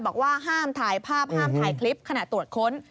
บอกว่าห้ามถ่ายภาพห้ามถ่ายคลิปขณะตรวจค้น